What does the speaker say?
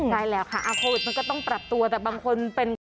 ได้แล้วค่ะโควิดมันก็ต้องปรับตัวแต่บางคนเป็น